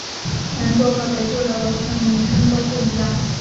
南座和北座的楼层名称都不一样。